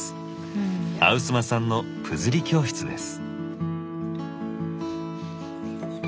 アウスマさんのプズリ教室です。